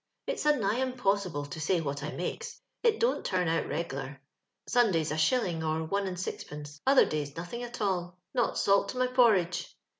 It's a nigh impossible to say what I makes, it dont turn out reg'lar ; Sun day's a shilling or one and sixpence, other days nothing at all — not salt to my porridge.